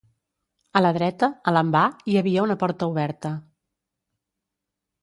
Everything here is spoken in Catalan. A la dreta, a l'envà, hi havia una porta oberta.